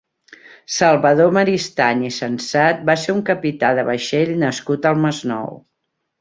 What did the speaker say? Salvador Maristany i Sensat va ser un capità de vaixell nascut al Masnou.